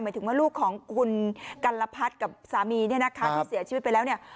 ถึงว่าลูกของคุณกัลพัฒน์กับสามีเนี่ยนะคะที่เสียชีวิตไปแล้วเนี่ย